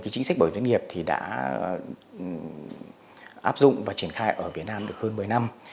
chính sách bảo hiểm thất nghiệp đã áp dụng và triển khai ở việt nam được hơn một mươi năm